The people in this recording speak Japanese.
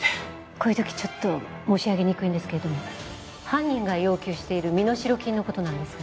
こういうときちょっと申し上げにくいんですけれども犯人が要求している身代金のことなんですが。